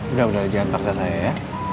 udah udah jangan paksa saya ya